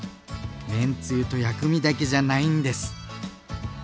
麺つゆと薬味だけじゃないんです。